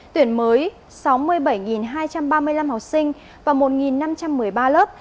tuyển mới sáu mươi bảy hai trăm ba mươi năm học sinh và một năm trăm một mươi ba lớp